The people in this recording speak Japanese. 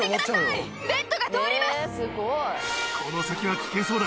・この先は危険そうだ